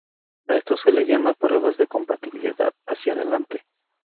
A esto se le llama pruebas de compatibilidad hacia adelante.